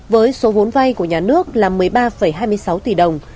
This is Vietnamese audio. với số vốn vay của nhà nước là một mươi ba hai mươi sáu tỷ đồng